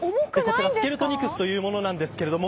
スケルトニクスというものなんですけれども。